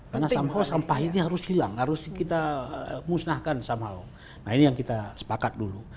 karena sampah ini harus hilang harus kita musnahkan nah ini yang kita sepakat dulu